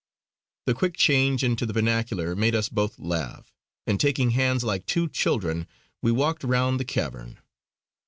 The quick change into the vernacular made us both laugh; and taking hands like two children we walked round the cavern.